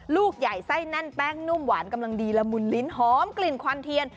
ลูกใหญ่ไส้แน่นแป้งนุ่มหวานกำลังดีละมุนลิ้นหอมกลิ่นควันเทียน